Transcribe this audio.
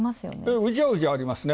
うじゃうじゃありますね。